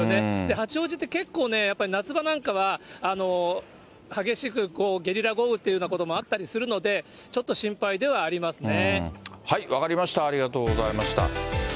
八王子って結構ね、やっぱり夏場なんかは、激しくゲリラ豪雨っていうようなこともあったりするので、ちょっと心配ではありますね。